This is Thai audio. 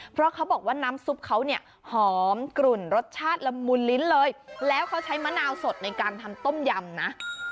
เพราะเขาบอกว่าน้ำซุปเขาเนี่ยหอมกลุ่นรสชาติละมุนลิ้นเลยแล้วเขาใช้มะนาวสดในการทำต้มยำนะ